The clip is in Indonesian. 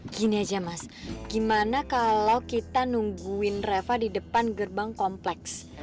gini aja mas gimana kalau kita nungguin reva di depan gerbang kompleks